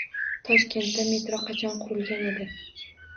Toshkentda metro qachon qurilgan edi?